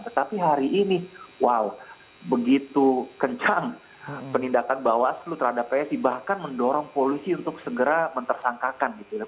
tetapi hari ini wow begitu kencang penindakan bawaslu terhadap psi bahkan mendorong polisi untuk segera mentersangkakan gitu ya